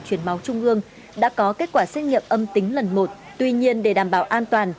chuyển máu trung ương đã có kết quả xét nghiệm âm tính lần một tuy nhiên để đảm bảo an toàn